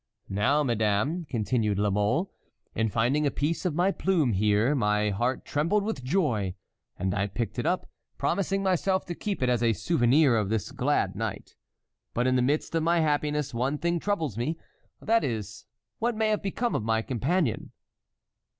Now, madame," continued La Mole, "in finding a piece of my plume here, my heart trembled with joy, and I picked it up, promising myself to keep it as a souvenir of this glad night. But in the midst of my happiness, one thing troubles me; that is, what may have become of my companion."